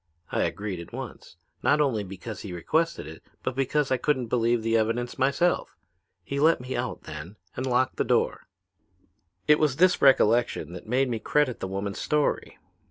I agreed at once, not only because he requested it but because I couldn't believe the evidence myself. He let me out then and locked the door. "It was this recollection that made me credit the woman's story.